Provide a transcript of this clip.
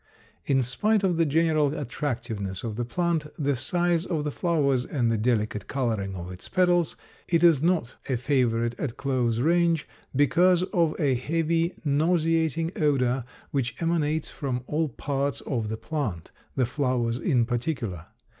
In spite of the general attractiveness of the plant, the size of the flowers and the delicate coloring of its petals, it is not a favorite at close range because of a heavy, nauseating odor which emanates from all parts of the plant, the flowers in particular.